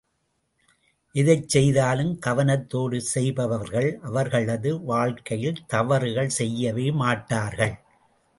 எதைச் செய்தாலும் கவனத்தோடு செய்பவர்கள் அவர்களது வாழ்க்கையில் தவறுகள் செய்யவே மாட்டார்கள்.